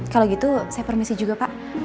kalau gitu saya permisi juga pak